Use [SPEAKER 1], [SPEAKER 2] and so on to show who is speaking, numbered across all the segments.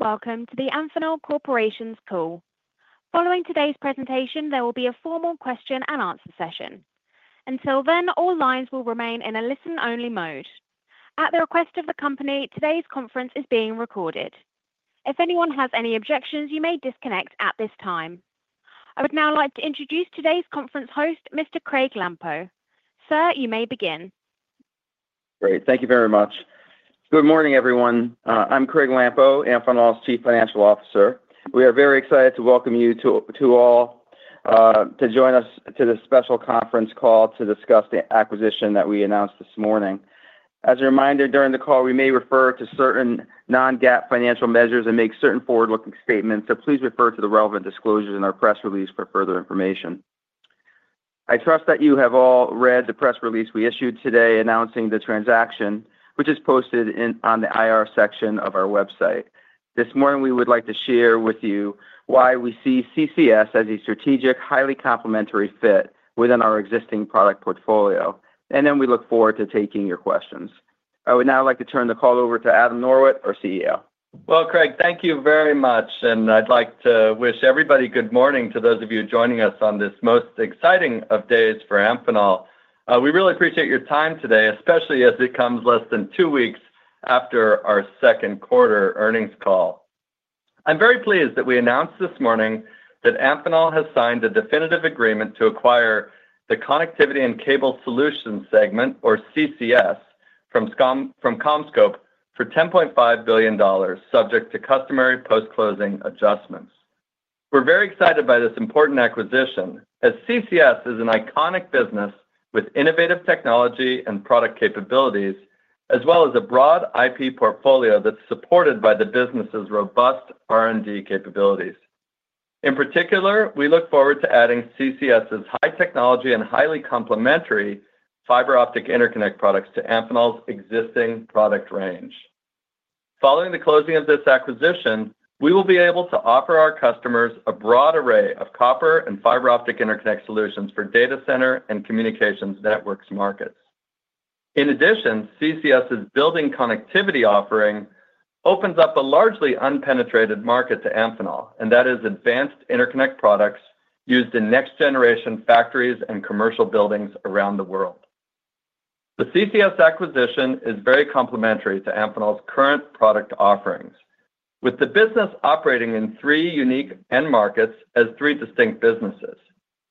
[SPEAKER 1] Hello and welcome to the Amphenol Corporation's call. Following today's presentation, there will be a formal question-and-answer session. Until then, all lines will remain in a listen-only mode. At the request of the company, today's conference is being recorded. If anyone has any objections, you may disconnect at this time. I would now like to introduce today's conference host, Mr. Craig Lampo. Sir, you may begin.
[SPEAKER 2] Great, thank you very much. Good morning, everyone. I'm Craig Lampo, Amphenol's Chief Financial Officer. We are very excited to welcome you all to join us for this special conference call to discuss the acquisition that we announced this morning. As a reminder, during the call, we may refer to certain non-GAAP financial measures and make certain forward-looking statements, so please refer to the relevant disclosures in our press release for further information. I trust that you have all read the press release we issued today announcing the transaction, which is posted on the IR section of our website. This morning, we would like to share with you why we see CCS as a strategic, highly complementary fit within our existing product portfolio, and then we look forward to taking your questions. I would now like to turn the call over to Adam Norwitt, our CEO.
[SPEAKER 3] Craig, thank you very much, and I'd like to wish everybody good morning to those of you joining us on this most exciting of days for Amphenol. We really appreciate your time today, especially as it comes less than two weeks after our second quarter earnings call. I'm very pleased that we announced this morning that Amphenol has signed a definitive agreement to acquire the Connectivity and Cable Solutions segment, or CCS, from CommScope for $10.5 billion, subject to customary post-closing adjustments. We're very excited by this important acquisition, as CCS is an iconic business with innovative technology and product capabilities, as well as a broad IP portfolio that's supported by the business's robust R&D capabilities. In particular, we look forward to adding CCS's high-technology and highly complementary fiber optic interconnect products to Amphenol's existing product range. Following the closing of this acquisition, we will be able to offer our customers a broad array of copper and fiber optic interconnect solutions for the data center and communications networks market. In addition, CCS's building connectivity offering opens up a largely unpenetrated market to Amphenol, and that is advanced interconnect products used in next-generation factories and commercial buildings around the world. The CCS acquisition is very complementary to Amphenol's current product offerings, with the business operating in three unique end markets as three distinct businesses,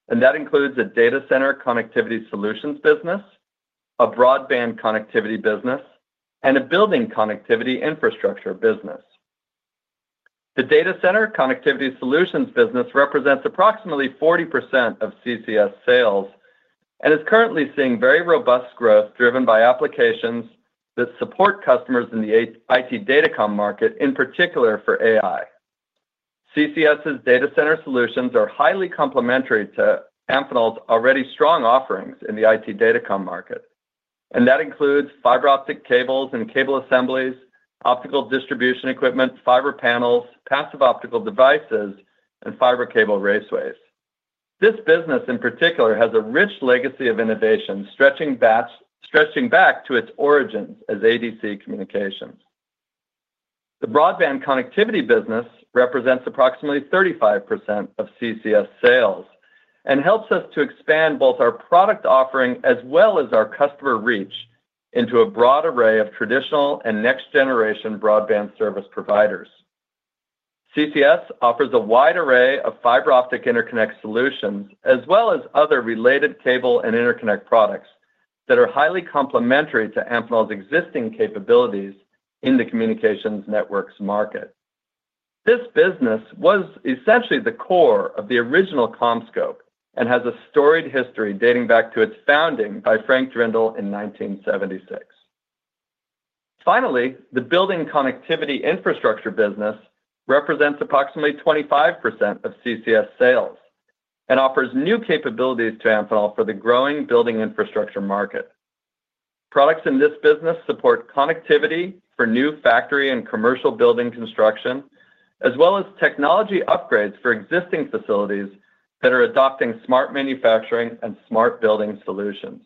[SPEAKER 3] and that includes a data center connectivity solutions business, a broadband connectivity business, and a building connectivity infrastructure business. The data center connectivity solutions business represents approximately 40% of CCS sales and is currently seeing very robust growth driven by applications that support customers in the IT data com market, in particular for AI. CCS's data center solutions are highly complementary to Amphenol's already strong offerings in the IT data com market, and that includes fiber optic cables and cable assemblies, optical distribution equipment, fiber panels, passive optical devices, and fiber cable raceways. This business, in particular, has a rich legacy of innovation stretching back to its origins as ADC Communications. The broadband connectivity business represents approximately 35% of CCS sales and helps us to expand both our product offering as well as our customer reach into a broad array of traditional and next-generation broadband service providers. CCS offers a wide array of fiber optic interconnect solutions, as well as other related cable and interconnect products that are highly complementary to Amphenol's existing capabilities in the communications networks market. This business was essentially the core of the original CommScope and has a storied history dating back to its founding by Frank Drendel in 1976. Finally, the building connectivity infrastructure business represents approximately 25% of CCS sales and offers new capabilities to Amphenol for the growing building infrastructure market. Products in this business support connectivity for new factory and commercial building construction, as well as technology upgrades for existing facilities that are adopting smart manufacturing and smart building solutions.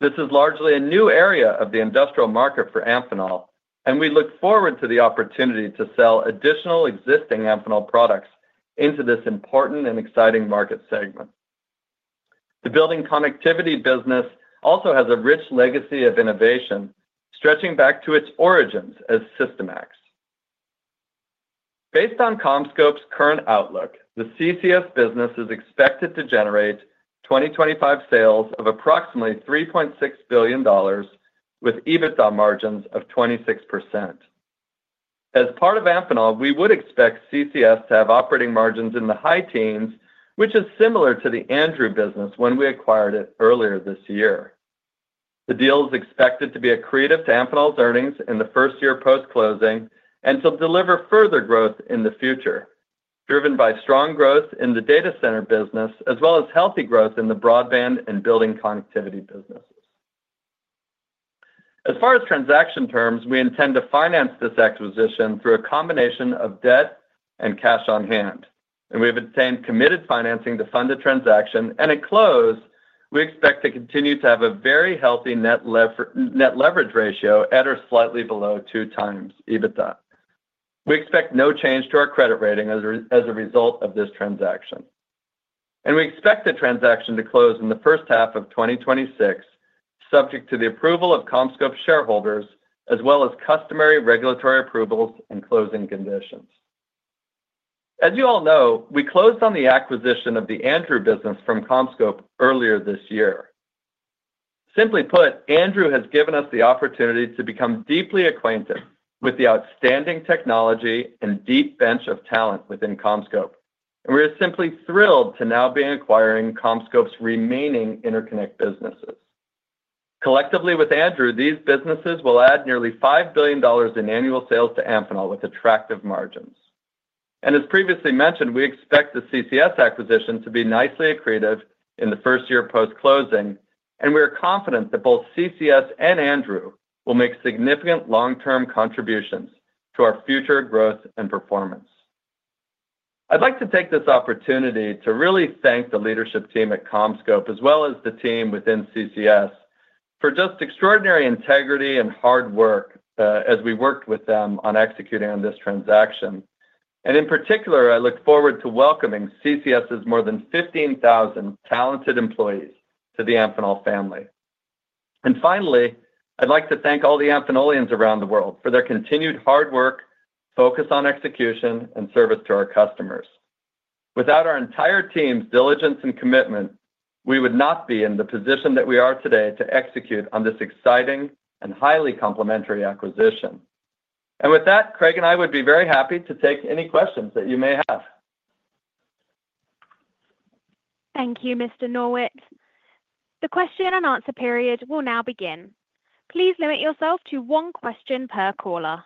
[SPEAKER 3] This is largely a new area of the industrial market for Amphenol, and we look forward to the opportunity to sell additional existing Amphenol products into this important and exciting market segment. The building connectivity business also has a rich legacy of innovation stretching back to its origins as Systemax. Based on CommScope's current outlook, the CCS business is expected to generate 2025 sales of approximately $3.6 billion, with EBITDA margins of 26%. As part of Amphenol, we would expect CCS to have operating margins in the high teens, which is similar to the Andrew business when we acquired it earlier this year. The deal is expected to be accretive to Amphenol's earnings in the first year post-closing and to deliver further growth in the future, driven by strong growth in the data center business, as well as healthy growth in the broadband and building connectivity business. As far as transaction terms, we intend to finance this acquisition through a combination of debt and cash on hand, and we have obtained committed financing to fund the transaction, and at close, we expect to continue to have a very healthy net leverage ratio at or slightly below two times EBITDA. We expect no change to our credit rating as a result of this transaction, and we expect the transaction to close in the first half of 2026, subject to the approval of CommScope shareholders, as well as customary regulatory approvals and closing conditions. As you all know, we closed on the acquisition of the Andrew business from CommScope earlier this year. Simply put, Andrew has given us the opportunity to become deeply acquainted with the outstanding technology and deep bench of talent within CommScope, and we are simply thrilled to now be acquiring CommScope's remaining interconnect businesses. Collectively with Andrew, these businesses will add nearly $5 billion in annual sales to Amphenol with attractive margins. As previously mentioned, we expect the CCS acquisition to be nicely accretive in the first year post-closing, and we are confident that both CCS and Andrew will make significant long-term contributions to our future growth and performance. I'd like to take this opportunity to really thank the leadership team at CommScope, as well as the team within CCS, for just extraordinary integrity and hard work as we worked with them on executing on this transaction. In particular, I look forward to welcoming CCS's more than 15,000 talented employees to the Amphenol family. Finally, I'd like to thank all the Amphenolians around the world for their continued hard work, focus on execution, and service to our customers. Without our entire team's diligence and commitment, we would not be in the position that we are today to execute on this exciting and highly complementary acquisition. With that, Craig and I would be very happy to take any questions that you may have.
[SPEAKER 1] Thank you, Mr. Norwitt. The question-and-answer period will now begin. Please limit yourself to one question per caller.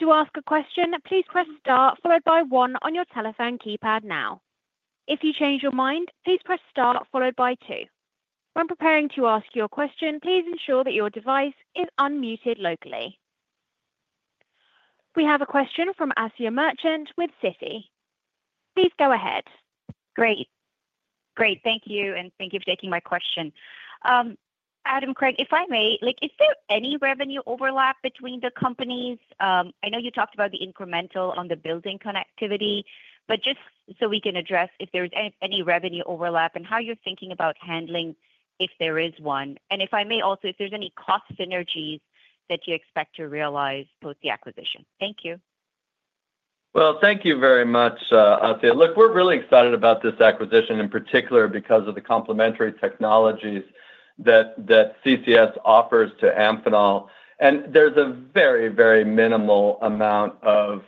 [SPEAKER 1] To ask a question, please press Star, followed by One on your telephone keypad now. If you change your mind, please press Star, followed by Two. When preparing to ask your question, please ensure that your device is unmuted locally. We have a question from Asiya Merchant with Citi. Please go ahead.
[SPEAKER 4] Great, thank you, and thank you for taking my question. Adam, Craig, if I may, is there any revenue overlap between the companies? I know you talked about the incremental on the building connectivity, just so we can address if there's any revenue overlap and how you're thinking about handling if there is one. If I may also, if there's any cost synergies that you expect to realize post the acquisition. Thank you.
[SPEAKER 3] Thank you very much, Asiya. Look, we're really excited about this acquisition in particular because of the complementary technologies that CCS offers to Amphenol, and there's a very, very minimal amount of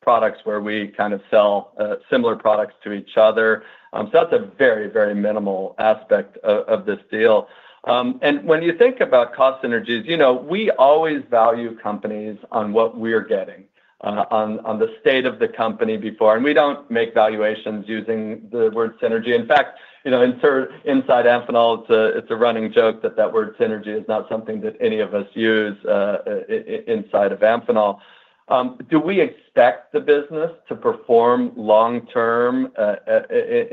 [SPEAKER 3] products where we kind of sell similar products to each other. That's a very, very minimal aspect of this deal. When you think about cost synergies, you know, we always value companies on what we're getting, on the state of the company before, and we don't make valuations using the word synergy. In fact, inside Amphenol, it's a running joke that that word synergy is not something that any of us use inside of Amphenol. Do we expect the business to perform long-term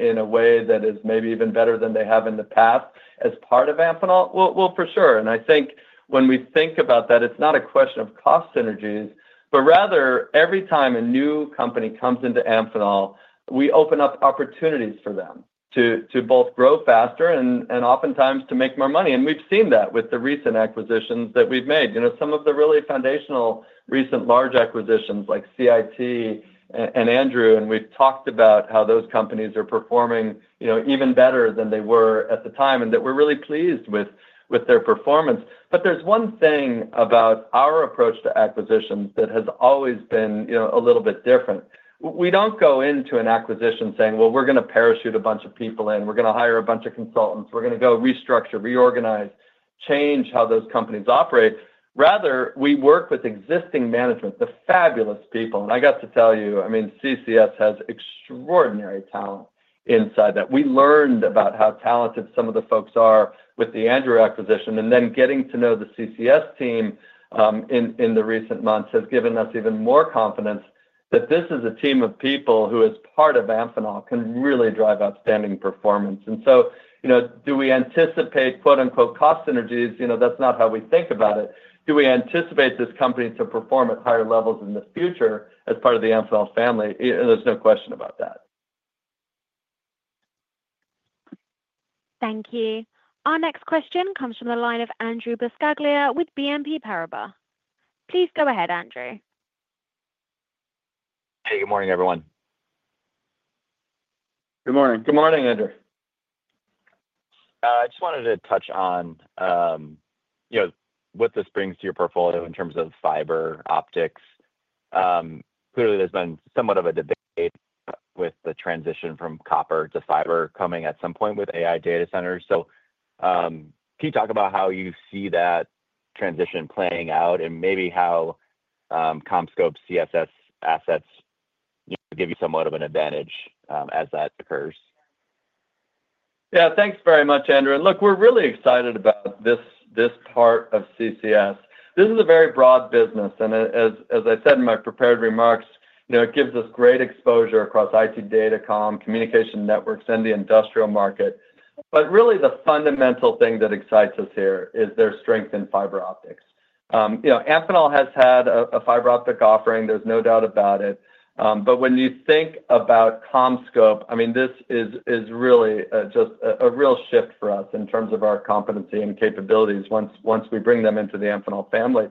[SPEAKER 3] in a way that is maybe even better than they have in the past as part of Amphenol? For sure. I think when we think about that, it's not a question of cost synergies, but rather every time a new company comes into Amphenol, we open up opportunities for them to both grow faster and oftentimes to make more money. We've seen that with the recent acquisitions that we've made. Some of the really foundational recent large acquisitions like CIT and Andrew, and we've talked about how those companies are performing even better than they were at the time and that we're really pleased with their performance. There's one thing about our approach to acquisitions that has always been a little bit different. We don't go into an acquisition saying we're going to parachute a bunch of people in, we're going to hire a bunch of consultants, we're going to go restructure, reorganize, change how those companies operate. Rather, we work with existing management, the fabulous people. I got to tell you, I mean, CCS has extraordinary talent inside that. We learned about how talented some of the folks are with the Andrew acquisition, and then getting to know the CCS team in the recent months has given us even more confidence that this is a team of people who, as part of Amphenol, can really drive outstanding performance. Do we anticipate quote unquote cost synergies? That's not how we think about it. Do we anticipate this company to perform at higher levels in the future as part of the Amphenol family? There's no question about that.
[SPEAKER 1] Thank you. Our next question comes from the line of Andrew Buscaglia with BNP Paribas. Please go ahead, Andrew.
[SPEAKER 5] Hey, good morning, everyone.
[SPEAKER 3] Good morning. Good morning, Andrew.
[SPEAKER 5] I just wanted to touch on what this brings to your portfolio in terms of fiber optics. Clearly, there's been somewhat of a debate with the transition from copper to fiber coming at some point with AI-driven data centers. Can you talk about how you see that transition playing out and maybe how CommScope's CCS assets give you somewhat of an advantage as that occurs?
[SPEAKER 3] Yeah, thanks very much, Andrew. We're really excited about this part of CCS. This is a very broad business, and as I said in my prepared remarks, it gives us great exposure across IT data com, communication networks, and the industrial market. The fundamental thing that excites us here is their strength in fiber optics. Amphenol has had a fiber optic offering, there's no doubt about it. When you think about CommScope, this is really just a real shift for us in terms of our competency and capabilities once we bring them into the Amphenol family.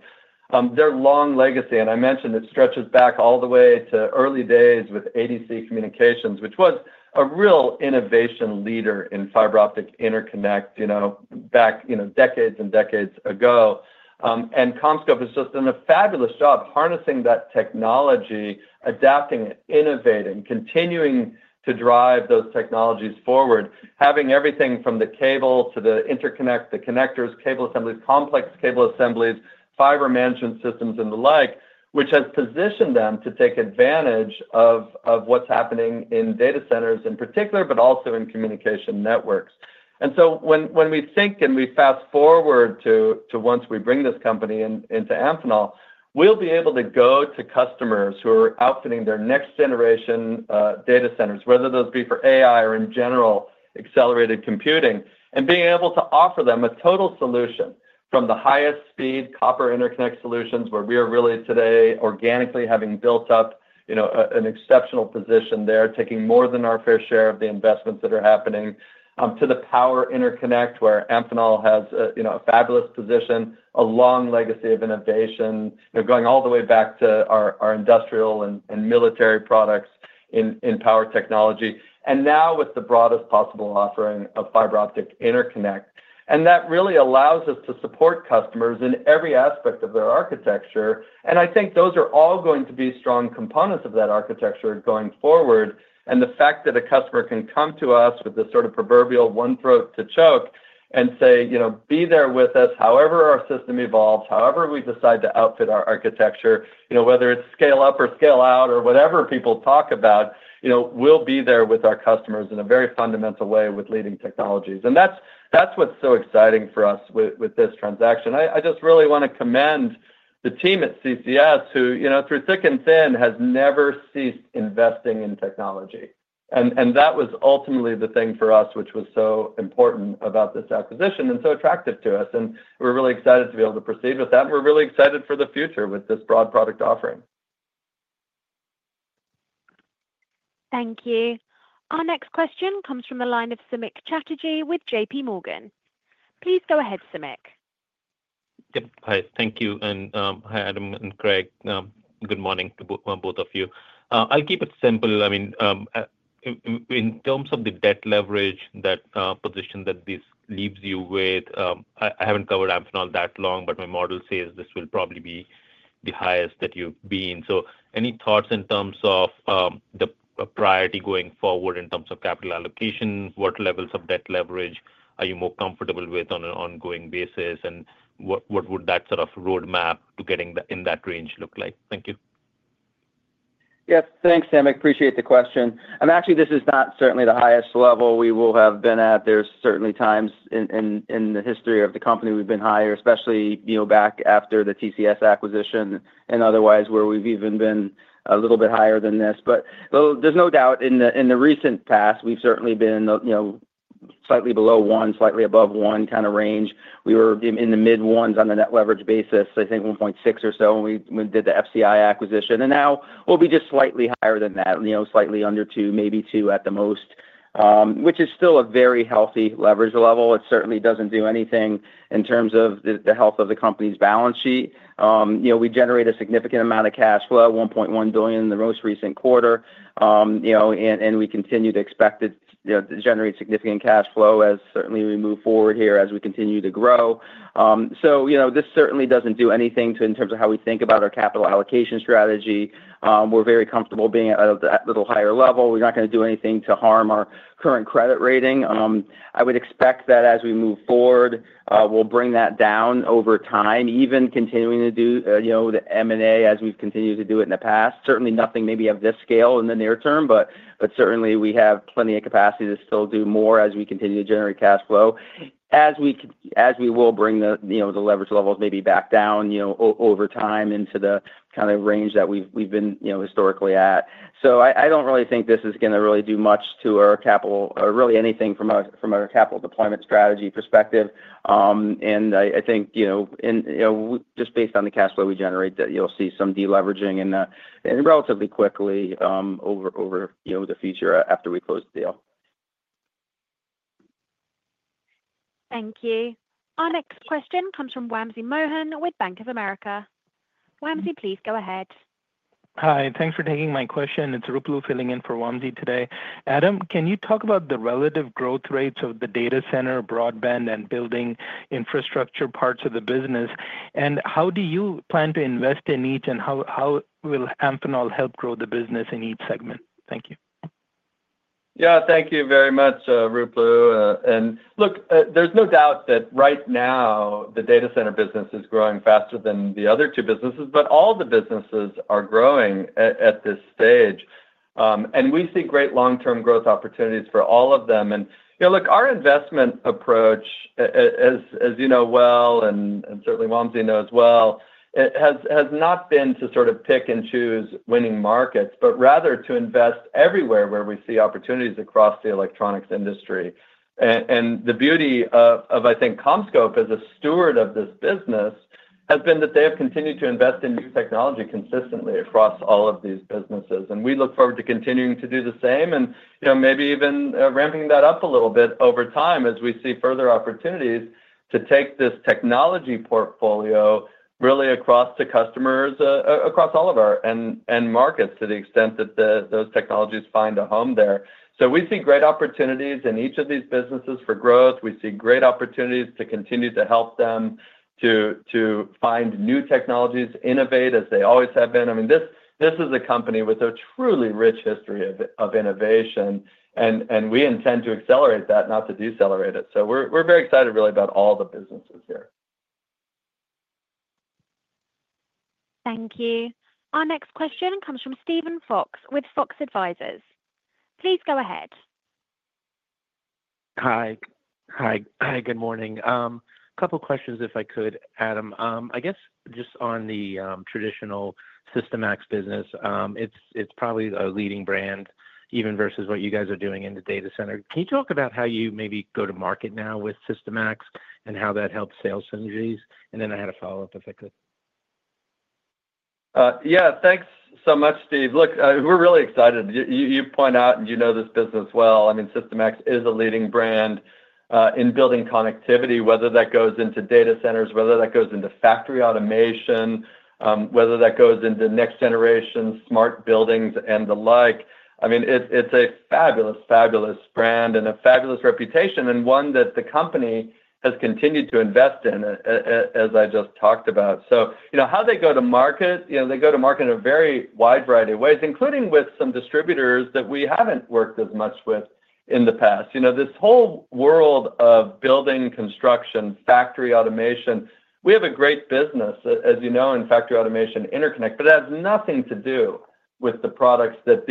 [SPEAKER 3] Their long legacy, and I mentioned it stretches back all the way to early days with ADC Communications, which was a real innovation leader in fiber optic interconnect, back decades and decades ago. CommScope has just done a fabulous job harnessing that technology, adapting it, innovating, continuing to drive those technologies forward, having everything from the cable to the interconnect, the connectors, cable assemblies, complex cable assemblies, fiber management systems, and the like, which has positioned them to take advantage of what's happening in data centers in particular, but also in communication networks. When we think and we fast forward to once we bring this company into Amphenol, we'll be able to go to customers who are outfitting their next-generation data centers, whether those be for AI or in general accelerated computing, and being able to offer them a total solution from the highest speed copper interconnect solutions, where we are really today organically having built up an exceptional position there, taking more than our fair share of the investments that are happening, to the power interconnect, where Amphenol has a fabulous position, a long legacy of innovation, going all the way back to our industrial and military products in power technology, and now with the broadest possible offering of fiber optic interconnect. That really allows us to support customers in every aspect of their architecture, and I think those are all going to be strong components of that architecture going forward. The fact that a customer can come to us with this sort of proverbial one throat to choke and say, you know, be there with us however our system evolves, however we decide to outfit our architecture, whether it's scale up or scale out or whatever people talk about, we'll be there with our customers in a very fundamental way with leading technologies. That's what's so exciting for us with this transaction. I just really want to commend the team at CCS who, through thick and thin, has never ceased investing in technology. That was ultimately the thing for us which was so important about this acquisition and so attractive to us. We're really excited to be able to proceed with that, and we're really excited for the future with this broad product offering.
[SPEAKER 1] Thank you. Our next question comes from the line of Samik Chatterjee with JPMorgan. Please go ahead, Samik.
[SPEAKER 6] Thank you, and hi, Adam and Craig. Good morning to both of you. I'll keep it simple. In terms of the debt leverage position that this leaves you with, I haven't covered Amphenol that long, but my model says this will probably be the highest that you've been. Any thoughts in terms of the priority going forward in terms of capital allocation? What levels of debt leverage are you more comfortable with on an ongoing basis, and what would that sort of roadmap to getting in that range look like? Thank you.
[SPEAKER 3] Yes, thanks, Samik. Appreciate the question. Actually, this is not certainly the highest level we will have been at. There are certainly times in the history of the company we've been higher, especially, you know, back after the TCS acquisition and otherwise where we've even been a little bit higher than this. There is no doubt in the recent past we've certainly been, you know, slightly below one, slightly above one kind of range. We were in the mid ones on a net leverage basis, I think 1.6 or so, when we did the FCI acquisition. Now we'll be just slightly higher than that, you know, slightly under two, maybe two at the most, which is still a very healthy leverage level. It certainly doesn't do anything in terms of the health of the company's balance sheet. We generate a significant amount of cash flow, $1.1 billion in the most recent quarter, and we continue to expect to generate significant cash flow as we move forward here as we continue to grow. This certainly doesn't do anything in terms of how we think about our capital allocation strategy. We're very comfortable being at a little higher level. We're not going to do anything to harm our current credit rating. I would expect that as we move forward, we'll bring that down over time, even continuing to do, you know, the M&A as we've continued to do it in the past. Certainly nothing maybe of this scale in the near term, but we have plenty of capacity to still do more as we continue to generate cash flow as we will bring the leverage levels maybe back down over time into the kind of range that we've been historically at. I don't really think this is going to really do much to our capital, really anything from a capital deployment strategy perspective. I think, just based on the cash flow we generate, that you'll see some deleveraging relatively quickly over the future after we close the deal.
[SPEAKER 1] Thank you. Our next question comes from Wamsi Mohan with Bank of America. Wamsi, please go ahead. Hi, thanks for taking my question. It's Rupalu filling in for Wamsi today. Adam, can you talk about the relative growth rates of the data center, broadband, and building infrastructure parts of the business, and how do you plan to invest in each, and how will Amphenol help grow the business in each segment? Thank you.
[SPEAKER 3] Thank you very much, Rupalu. There's no doubt that right now the data center business is growing faster than the other two businesses, but all the businesses are growing at this stage, and we see great long-term growth opportunities for all of them. Our investment approach, as you know well and certainly Wamsi knows well, has not been to sort of pick and choose winning markets, but rather to invest everywhere where we see opportunities across the electronics industry. The beauty of, I think, CommScope as a steward of this business has been that they have continued to invest in new technology consistently across all of these businesses. We look forward to continuing to do the same and maybe even ramping that up a little bit over time as we see further opportunities to take this technology portfolio really across to customers across all of our end markets to the extent that those technologies find a home there. We see great opportunities in each of these businesses for growth. We see great opportunities to continue to help them to find new technologies, innovate as they always have been. This is a company with a truly rich history of innovation, and we intend to accelerate that, not to decelerate it. We're very excited really about all the businesses here.
[SPEAKER 1] Thank you. Our next question comes from Steven Fox with Fox Advisors. Please go ahead.
[SPEAKER 7] Hi, good morning. A couple of questions, if I could, Adam. I guess just on the traditional Systemax business, it's probably a leading brand even versus what you guys are doing in the data center. Can you talk about how you maybe go to market now with Systemax and how that helps sales synergies? I had a follow-up, if I could.
[SPEAKER 3] Yeah, thanks so much, Steve. Look, we're really excited. You point out, and you know this business well. I mean, Systemax is a leading brand in building connectivity, whether that goes into data centers, whether that goes into factory automation, whether that goes into next-generation smart buildings and the like. It's a fabulous, fabulous brand and a fabulous reputation and one that the company has continued to invest in, as I just talked about. You know, how they go to market, they go to market in a very wide variety of ways, including with some distributors that we haven't worked as much with in the past. This whole world of building construction, factory automation, we have a great business, as you know, in factory automation interconnect, but it has nothing to do with the products that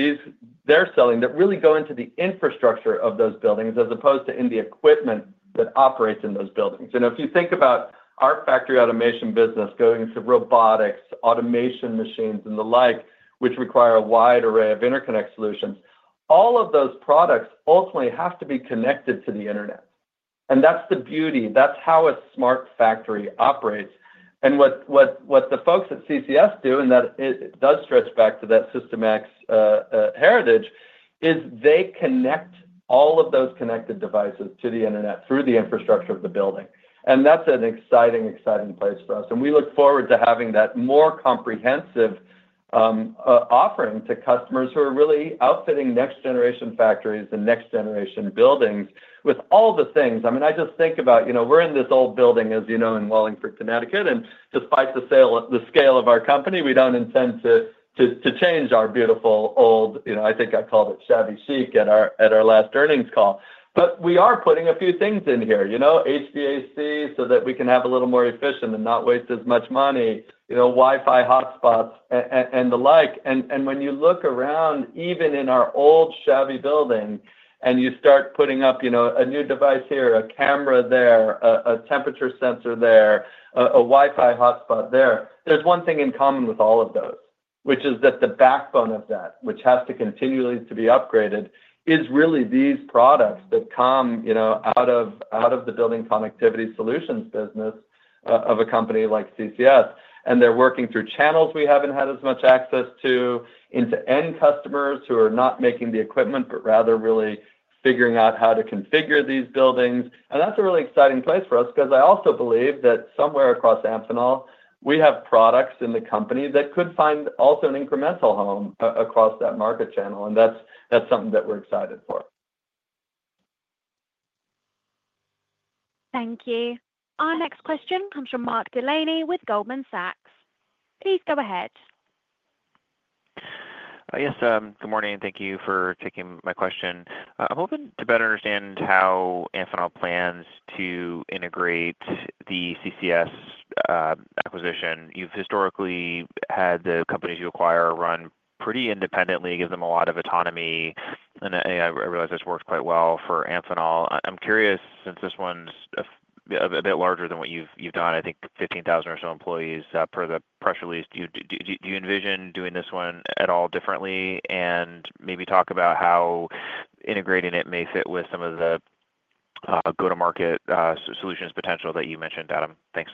[SPEAKER 3] they're selling that really go into the infrastructure of those buildings as opposed to in the equipment that operates in those buildings. If you think about our factory automation business going to robotics, automation machines, and the like, which require a wide array of interconnect solutions, all of those products ultimately have to be connected to the internet. That's the beauty. That's how a smart factory operates. What the folks at CCS do, and that does stretch back to that Systemax heritage, is they connect all of those connected devices to the internet through the infrastructure of the building. That's an exciting, exciting place for us. We look forward to having that more comprehensive offering to customers who are really outfitting next-generation factories and next-generation buildings with all the things. I mean, I just think about, you know, we're in this old building, as you know, in Wallingford, Connecticut. Despite the scale of our company, we don't intend to change our beautiful old, you know, I think I called it shabby chic at our last earnings call. We are putting a few things in here, you know, HVAC so that we can have a little more efficient and not waste as much money, you know, Wi-Fi hotspots and the like. When you look around, even in our old shabby building, and you start putting up a new device here, a camera there, a temperature sensor there, a Wi-Fi hotspot there, there's one thing in common with all of those, which is that the backbone of that, which has to continually be upgraded, is really these products that come out of the building connectivity solutions business of a company like CCS. They're working through channels we haven't had as much access to into end customers who are not making the equipment, but rather really figuring out how to configure these buildings. That's a really exciting place for us because I also believe that somewhere across Amphenol, we have products in the company that could find also an incremental home across that market channel. That's something that we're excited for.
[SPEAKER 1] Thank you. Our next question comes from Mark Delaney with Goldman Sachs. Please go ahead.
[SPEAKER 8] Yes, good morning, and thank you for taking my question. I'm hoping to better understand how Amphenol plans to integrate the CCS acquisition. You've historically had the companies you acquire run pretty independently, give them a lot of autonomy. I realize this worked quite well for Amphenol. I'm curious, since this one's a bit larger than what you've done, I think 15,000 or so employees per the press release, do you envision doing this one at all differently? Maybe talk about how integrating it may fit with some of the go-to-market solutions potential that you mentioned, Adam. Thanks.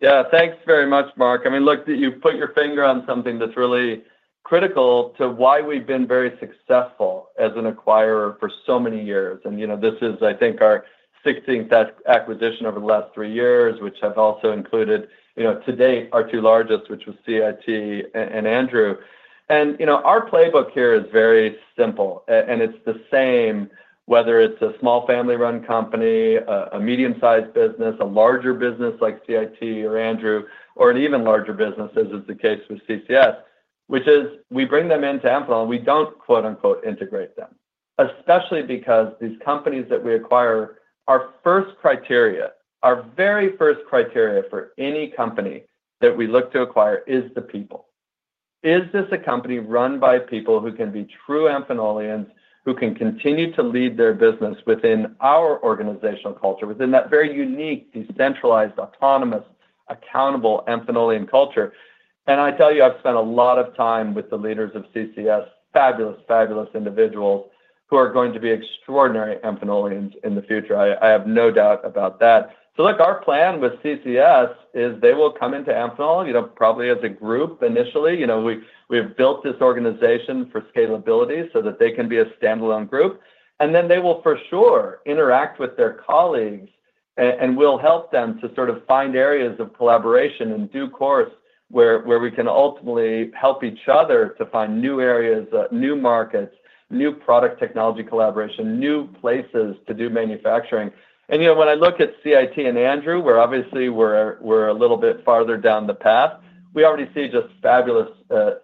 [SPEAKER 3] Yeah, thanks very much, Mark. I mean, look, you put your finger on something that's really critical to why we've been very successful as an acquirer for so many years. This is, I think, our 16th acquisition over the last three years, which have also included, to date, our two largest, which was CIT and Andrew. Our playbook here is very simple, and it's the same whether it's a small family-run company, a medium-sized business, a larger business like CIT or Andrew, or an even larger business, as is the case with CCS, which is we bring them into Amphenol, and we don't "integrate" them, especially because these companies that we acquire, our first criteria, our very first criteria for any company that we look to acquire is the people. Is this a company run by people who can be true Amphenolians, who can continue to lead their business within our organizational culture, within that very unique, decentralized, autonomous, accountable Amphenolian culture? I tell you, I've spent a lot of time with the leaders of CCS, fabulous, fabulous individuals who are going to be extraordinary Amphenolians in the future. I have no doubt about that. Our plan with CCS is they will come into Amphenol, probably as a group initially. We have built this organization for scalability so that they can be a standalone group. They will for sure interact with their colleagues, and we'll help them to sort of find areas of collaboration in due course where we can ultimately help each other to find new areas, new markets, new product technology collaboration, new places to do manufacturing. When I look at CIT and Andrew, where obviously we're a little bit farther down the path, we already see just fabulous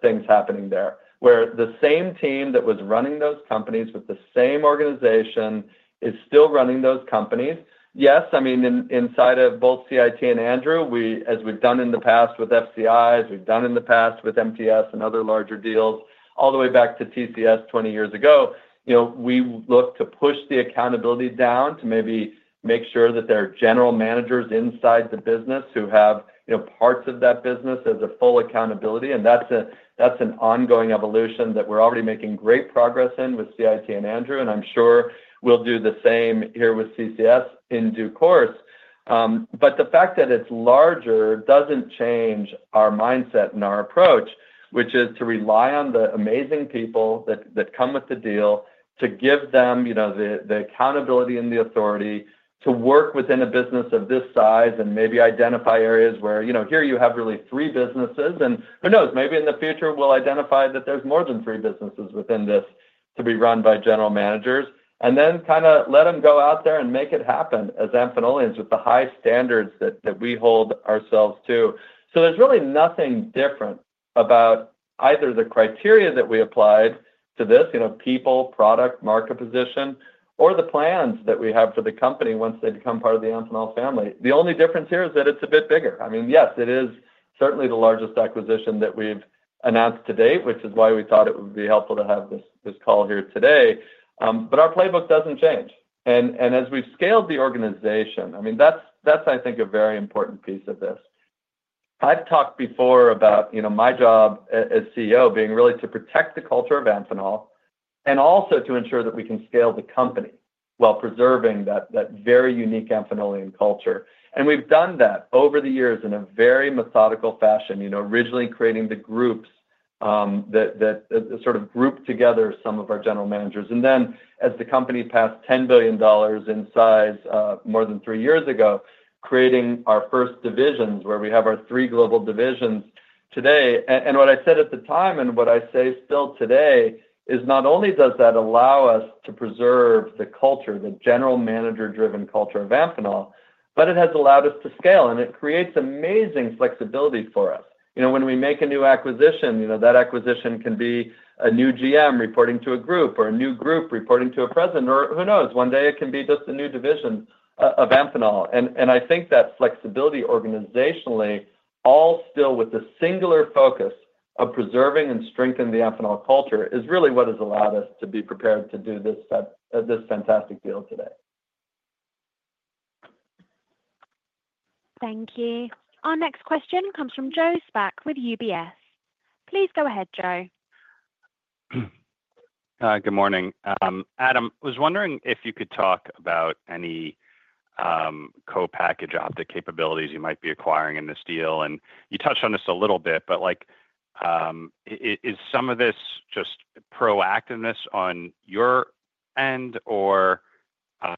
[SPEAKER 3] things happening there, where the same team that was running those companies with the same organization is still running those companies. Yes, inside of both CIT and Andrew, as we've done in the past with FCI, as we've done in the past with MTS and other larger deals, all the way back to TCS 20 years ago, we look to push the accountability down to maybe make sure that there are general managers inside the business who have parts of that business as a full accountability. That's an ongoing evolution that we're already making great progress in with CIT and Andrew, and I'm sure we'll do the same here with CCS in due course. The fact that it's larger doesn't change our mindset and our approach, which is to rely on the amazing people that come with the deal, to give them the accountability and the authority to work within a business of this size and maybe identify areas where, you know, here you have really three businesses, and who knows, maybe in the future we'll identify that there's more than three businesses within this to be run by general managers, and then kind of let them go out there and make it happen as Amphenolians with the high standards that we hold ourselves to. There's really nothing different about either the criteria that we applied to this, you know, people, product, market position, or the plans that we have for the company once they become part of the Amphenol family. The only difference here is that it's a bit bigger. I mean, yes, it is certainly the largest acquisition that we've announced to date, which is why we thought it would be helpful to have this call here today. Our playbook doesn't change. As we've scaled the organization, I mean, that's, I think, a very important piece of this. I've talked before about my job as CEO being really to protect the culture of Amphenol and also to ensure that we can scale the company while preserving that very unique Amphenolian culture. We've done that over the years in a very methodical fashion, originally creating the groups that sort of group together some of our general managers. As the company passed $10 billion in size more than three years ago, creating our first division where we have our three global divisions today. What I said at the time and what I say still today is not only does that allow us to preserve the culture, the general manager-driven culture of Amphenol, but it has allowed us to scale, and it creates amazing flexibility for us. When we make a new acquisition, that acquisition can be a new GM reporting to a group or a new group reporting to a president, or who knows, one day it can be just a new division of Amphenol. I think that flexibility organizationally, all still with the singular focus of preserving and strengthening the Amphenol culture, is really what has allowed us to be prepared to do this fantastic deal today.
[SPEAKER 1] Thank you. Our next question comes from Joseph Spak with UBS. Please go ahead, Joseph.
[SPEAKER 9] Good morning. Adam, I was wondering if you could talk about any co-package optic capabilities you might be acquiring in this deal. You touched on this a little bit, but is some of this just proactiveness on your end, or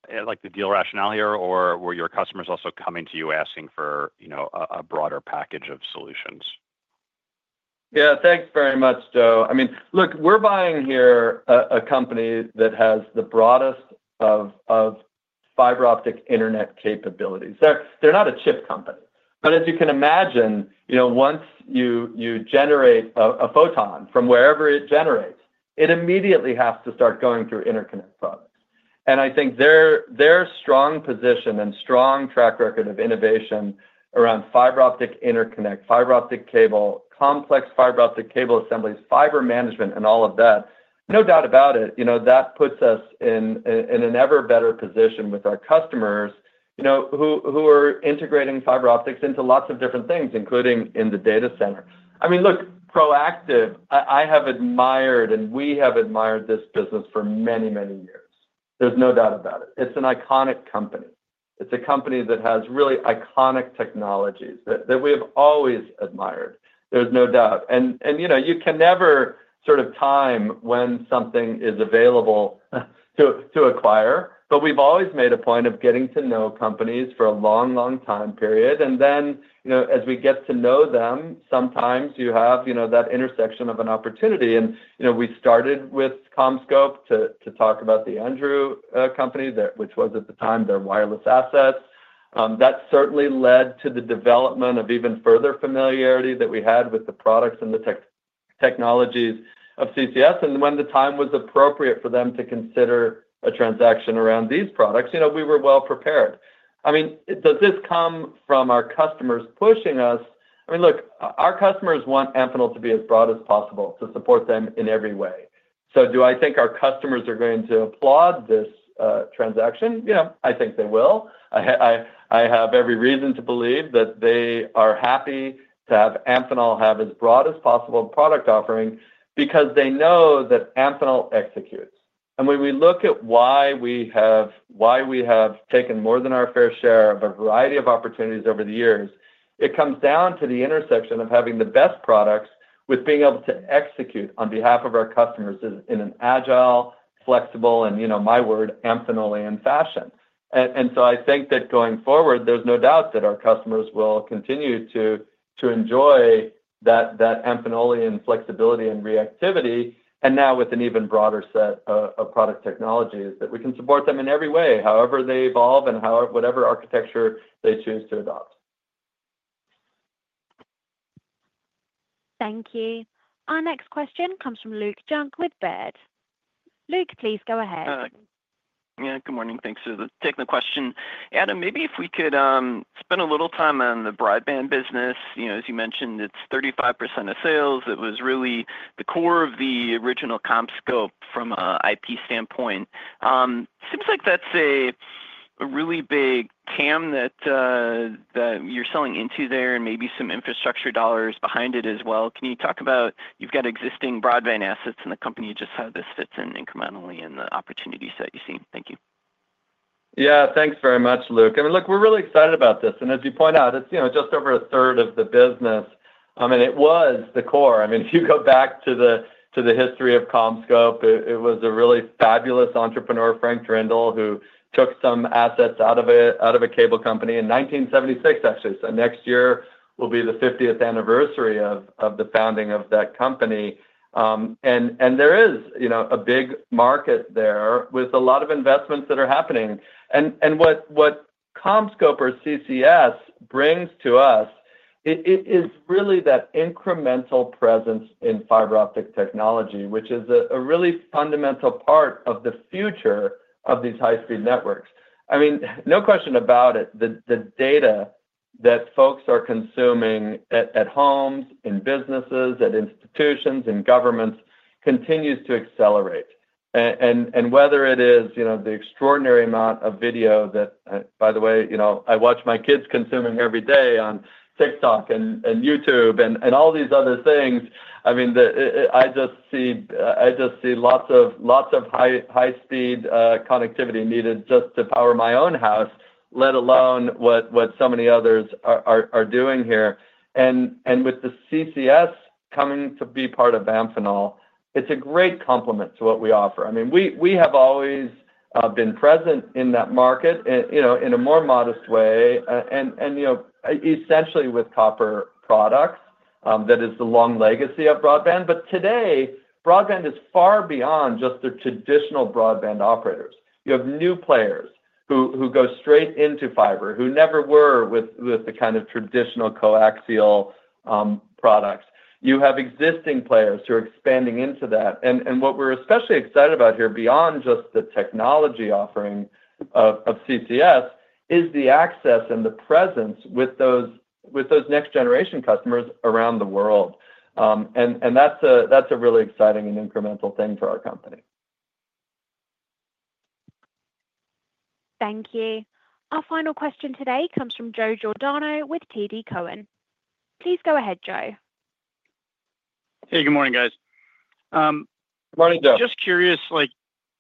[SPEAKER 9] the deal rationale here, or were your customers also coming to you asking for a broader package of solutions?
[SPEAKER 3] Yeah, thanks very much, Joe. I mean, look, we're buying here a company that has the broadest of fiber optic interconnect capabilities. They're not a chip company, but as you can imagine, you know, once you generate a photon from wherever it generates, it immediately has to start going through interconnect products. I think their strong position and strong track record of innovation around fiber optic interconnect, fiber optic cable, complex fiber optic cable assemblies, fiber management, and all of that, no doubt about it, that puts us in an ever better position with our customers, you know, who are integrating fiber optics into lots of different things, including in the data center. Proactive, I have admired and we have admired this business for many, many years. There's no doubt about it. It's an iconic company. It's a company that has really iconic technologies that we have always admired. There's no doubt. You can never sort of time when something is available to acquire, but we've always made a point of getting to know companies for a long, long time period. As we get to know them, sometimes you have that intersection of an opportunity. We started with CommScope to talk about the Andrew company, which was at the time their wireless asset. That certainly led to the development of even further familiarity that we had with the products and the technologies of CCS. When the time was appropriate for them to consider a transaction around these products, we were well prepared. Does this come from our customers pushing us? Our customers want Amphenol to be as broad as possible to support them in every way. Do I think our customers are going to applaud this transaction? I think they will. I have every reason to believe that they are happy to have Amphenol have as broad as possible product offering because they know that Amphenol executes. When we look at why we have, why we have taken more than our fair share of a variety of opportunities over the years, it comes down to the intersection of having the best products with being able to execute on behalf of our customers in an agile, flexible, and, you know, my word, Amphenolian fashion. I think that going forward, there's no doubt that our customers will continue to enjoy that Amphenolian flexibility and reactivity, and now with an even broader set of product technologies that we can support them in every way, however they evolve and whatever architecture they choose to adopt.
[SPEAKER 1] Thank you. Our next question comes from Luke Junk with Baird. Luke, please go ahead.
[SPEAKER 10] Yeah, good morning. Thanks for the technical question. Adam, maybe if we could spend a little time on the broadband business. You know, as you mentioned, it's 35% of sales. It was really the core of the original CommScope from an IP standpoint. Seems like that's a really big TAM that you're selling into there, and maybe some infrastructure dollars behind it as well. Can you talk about, you've got existing broadband assets in the company, just how this fits in incrementally in the opportunities that you see. Thank you.
[SPEAKER 3] Yeah, thanks very much, Luke. I mean, look, we're really excited about this. As you point out, it's just over a third of the business. It was the core. If you go back to the history of CommScope, it was a really fabulous entrepreneur, Frank Drendel, who took some assets out of a cable company in 1976, actually. Next year will be the 50th anniversary of the founding of that company. There is a big market there with a lot of investments that are happening. What CommScope or CCS brings to us is really that incremental presence in fiber optic technology, which is a really fundamental part of the future of these high-speed networks. No question about it, the data that folks are consuming at homes, in businesses, at institutions, in governments continues to accelerate. Whether it is the extraordinary amount of video that, by the way, I watch my kids consuming every day on TikTok and YouTube and all these other things, I just see lots of high-speed connectivity needed just to power my own house, let alone what so many others are doing here. With the CCS coming to be part of Amphenol, it's a great complement to what we offer. We have always been present in that market in a more modest way, essentially with copper products. That is the long legacy of broadband. Today, broadband is far beyond just the traditional broadband operators. You have new players who go straight into fiber, who never were with the kind of traditional coaxial products. You have existing players who are expanding into that. What we're especially excited about here, beyond just the technology offering of CCS, is the access and the presence with those next-generation customers around the world. That's a really exciting and incremental thing for our company.
[SPEAKER 1] Thank you. Our final question today comes from Joe Giordano with TD Cowen. Please go ahead, Joseph.
[SPEAKER 11] Hey, good morning, guys.
[SPEAKER 3] Morning, Joe.
[SPEAKER 11] Just curious, like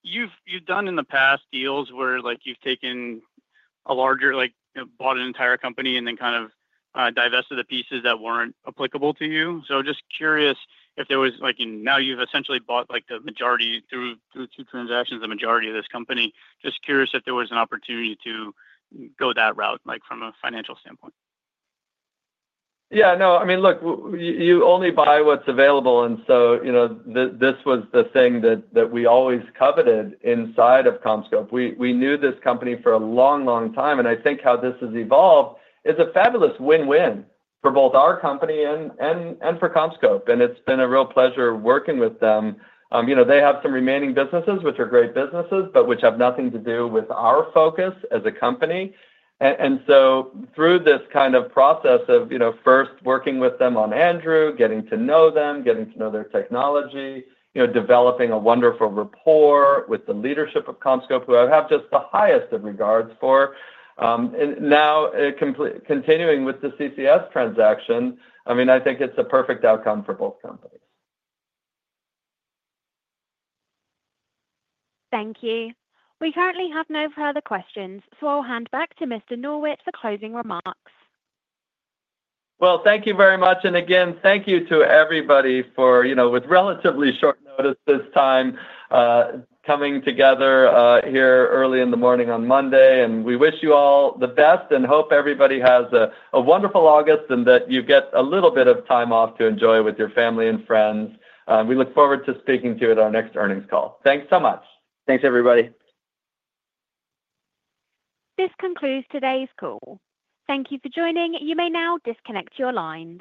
[SPEAKER 11] you've done in past deals where you've taken a larger, like bought an entire company and then kind of divested the pieces that weren't applicable to you. Just curious if there was, now you've essentially bought the majority through two transactions, the majority of this company. Just curious if there was an opportunity to go that route from a financial standpoint.
[SPEAKER 3] Yeah, no, I mean, look, you only buy what's available. This was the thing that we always coveted inside of CommScope. We knew this company for a long, long time. I think how this has evolved is a fabulous win-win for both our company and for CommScope. It's been a real pleasure working with them. They have some remaining businesses, which are great businesses, but which have nothing to do with our focus as a company. Through this kind of process of first working with them on Andrew, getting to know them, getting to know their technology, developing a wonderful rapport with the leadership of CommScope, who I have just the highest of regards for, and now continuing with the CCS transaction, I think it's a perfect outcome for both companies.
[SPEAKER 1] Thank you. We currently have no further questions, so I'll hand back to Mr. Norwitt for closing remarks.
[SPEAKER 3] Thank you very much. Thank you to everybody for, you know, with relatively short notice this time, coming together here early in the morning on Monday. We wish you all the best and hope everybody has a wonderful August and that you get a little bit of time off to enjoy with your family and friends. We look forward to speaking to you at our next earnings call. Thanks so much. Thanks, everybody.
[SPEAKER 1] This concludes today's call. Thank you for joining. You may now disconnect your line.